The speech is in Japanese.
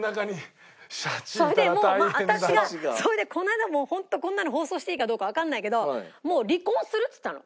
それでもう私がそれでこの間もうホントこんなの放送していいかどうかわからないけど「もう離婚する」って言ったの。